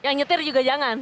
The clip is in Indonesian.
yang nyetir juga jangan